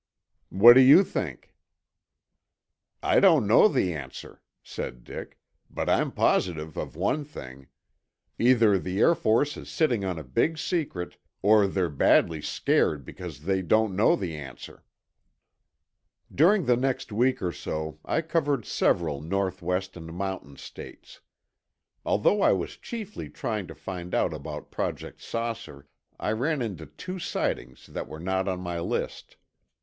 "What do you think?" "I don't know the answer," said Dick, "but I'm positive of one thing. Either the Air Force is sitting on a big secret, or they're badly scared because they don't know the answer." During the next week or so, I covered several northwest and mountain states. Although I was chiefly trying to find out about Project "Saucer," I ran onto two sightings that were not on my list.